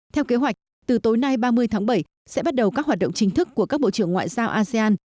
theo kế hoạch từ tối nay ba mươi tháng bảy sẽ bắt đầu các hoạt động chính thức của các bộ trưởng ngoại giao asean